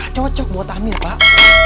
gak cocok buat amir pak